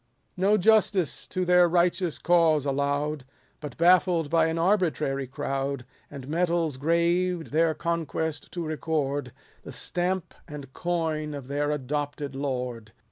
No justice to their righteous cause allow'd ; But baffled by an arbitrary crowd. And medals graved their conquest to record, The stamp and coin of their adopted lord.